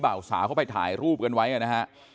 สาวเข้าไปถ่ายรูปกันไว้นะฮะ